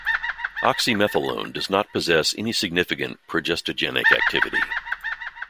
Oxymetholone does not possess any significant progestogenic activity.